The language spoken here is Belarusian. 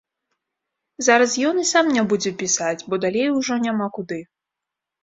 Зараз ён і сам не будзе пісаць, бо далей ужо няма куды.